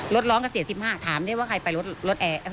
รถร้อนก็เสีย๑๕ถามได้ว่าใครไปรถแอร์